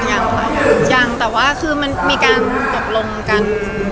ยังค่ะยังแต่ว่าคือมันมีการตกลงกัน